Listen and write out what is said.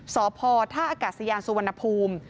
สพท่าอากาศยานสุวรรณภูมิ